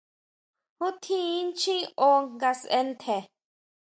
¿Ju tjín inchjín ó nga sʼe ntje?